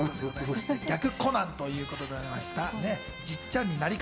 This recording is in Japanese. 逆コナンということでございました。